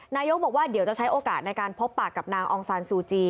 นายกบอกว่าเดี๋ยวจะใช้โอกาสในการพบปากกับนางองซานซูจี